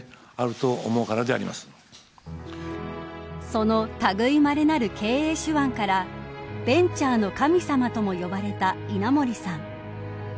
そのたぐいまれなる経営手腕からベンチャーの神様とも呼ばれた稲盛さん。